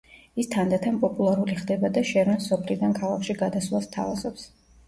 ის თანდათან პოპულარული ხდება და შერონს სოფლიდან ქალაქში გადასვლას სთავაზობს.